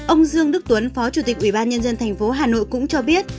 ông dương đức tuấn phó chủ tịch ủy ban nhân dân tp hà nội cũng cho biết